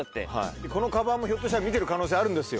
このカバンもひょっとしたら見てる可能性あるんですよ。